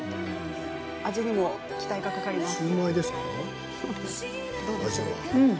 味にも期待がかかります。